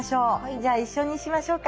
じゃあ一緒にしましょうか。